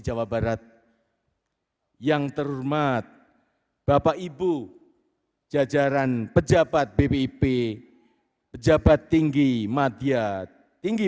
jawa barat yang terhormat bapak ibu jajaran pejabat bpip pejabat tinggi madya tinggi